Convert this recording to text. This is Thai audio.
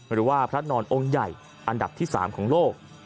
หรือว่าพระนอนองค์ใหญ่อันดับที่๓ของโลก